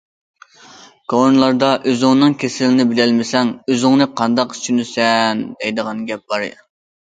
كونىلاردا‹‹ ئۆزۈڭنىڭ كېسىلىنى بىلەلمىسەڭ ئۆزۈڭنى قانداق چۈشىنىسەن›› دەيدىغان گەپ بار.